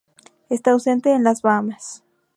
Está ausente en las Bahamas.